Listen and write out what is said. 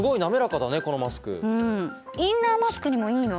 インナーマスクにもいいの。